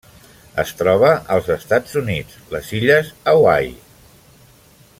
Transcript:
Es troba als Estats Units: les Illes Hawaii.